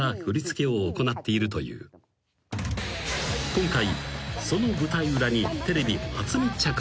［今回］